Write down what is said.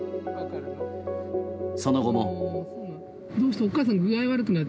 その後も。